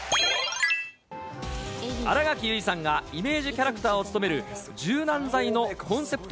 新垣結衣さんがイメージキャラクターを務める柔軟剤のコンセプト